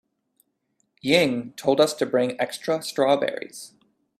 Ying told us to bring extra strawberries.